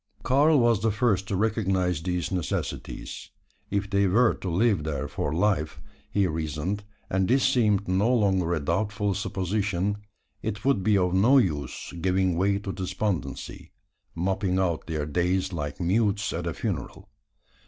Karl was the first to recognise these necessities. If they were to live there for life, he reasoned, and this seemed no longer a doubtful supposition, it would be of no use, giving way to despondency moping out their days like mutes at a funeral.